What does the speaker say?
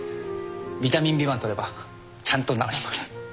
ビタミン Ｂ１ 取ればちゃんと治ります